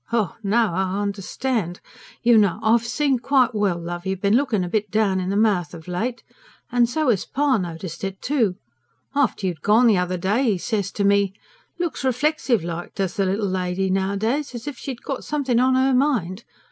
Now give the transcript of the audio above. "Ha! Now I understand. You know I've seen quite well, love, you've been looking a bit down in the mouth of late. And so 'as pa noticed it, too. After you'd gone the other day, 'e said to me: 'Looks reflexive like does the little lady nowadays; as if she'd got something on 'er mind.'